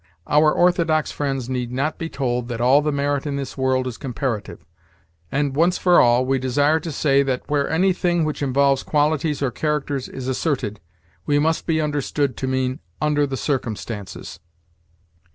Our orthodox friends need not be told that all the merit in this world is comparative; and, once for all, we desire to say that, where anything which involves qualities or characters is asserted, we must be understood to mean, "under the circumstances."